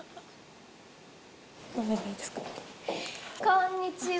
こんにちは！